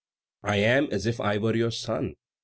I am as if I were your son.